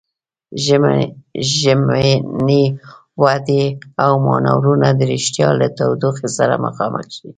ژمنې، وعدې او مانورونه د ريښتيا له تودوخې سره مخامخ شي.